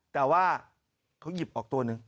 แต่ว่าเขาหยิบออกตัวหนึ่ง